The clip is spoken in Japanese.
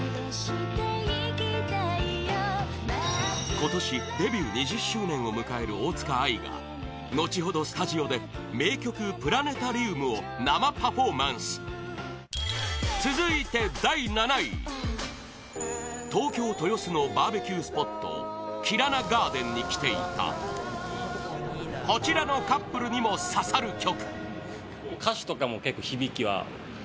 今年デビュー２０周年を迎える大塚愛が後ほどスタジオで名曲「プラネタリウム」を生パフォーマンス続いて第７位東京・豊洲のバーベキュースポットキラナガーデンに来ていたこちらのカップルにも刺さる曲